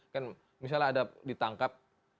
kan misalnya ada ditangkap